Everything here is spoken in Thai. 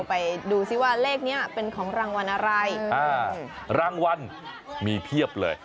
ไปดูซิว่าเลขนี้เป็นของรางวัลอะไรรางวัลมีเพียบเลย